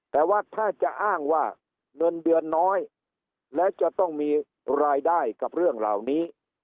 แต่ว่าถ้าจะอ้างว่าเงินเดือนน้อยแล้วจะต้องมีรายได้กับเรื่องเหล่านี้